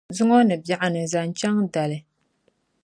zuŋɔ ni biɛɣuni zaŋ chaŋ dali.